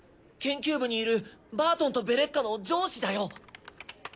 研究部にいるバートンとベレッカの上司だよ！